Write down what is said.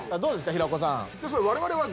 平子さん。